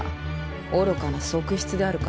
愚かな側室であるからか？